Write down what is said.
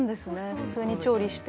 普通に調理して。